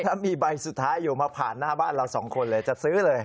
ถ้ามีใบสุดท้ายอยู่มาผ่านหน้าบ้านเราสองคนเลยจะซื้อเลย